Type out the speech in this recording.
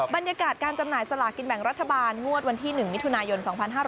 บรรยากาศการจำหน่ายสลากินแบ่งรัฐบาลงวดวันที่๑มิถุนายน๒๕๕๙